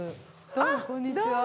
どうもこんにちは。